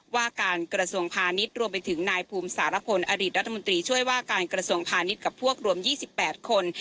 ว่าการกระทรวงพาณิชย์รวมไปถึงนายภูมิสารพลอดีตรัฐมนตรีช่วยว่าการกระทรวงพาณิชย์กับพวกรวม๒๘คน